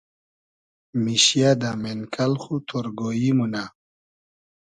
میشیۂ دۂ مېنکئل خو تۉرگۉیی مونۂ